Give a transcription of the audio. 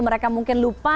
mereka mungkin lupa